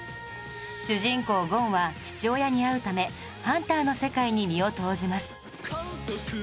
主人公ゴンは父親に会うためハンターの世界に身を投じます